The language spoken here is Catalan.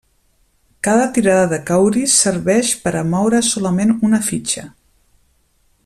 Cada tirada de cauris serveix per a moure solament una fitxa.